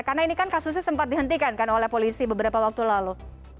karena ini kan kasusnya sempat dihentikan oleh polisi beberapa waktu lalu